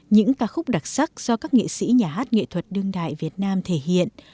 những ca khúc đặc sắc do các nghệ sĩ nhà hát nghệ thuật đương đại việt nam thể hiện